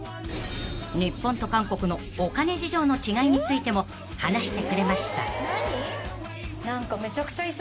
［日本と韓国のお金事情の違いについても話してくれました］